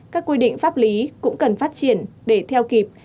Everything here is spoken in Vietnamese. các quy định pháp lý cũng cần phát triển để theo kịp